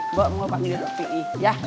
mbak mau panggil p i